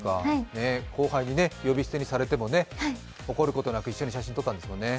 後輩に呼び捨てにされても怒ることなく一緒に写真撮ったんですもんね。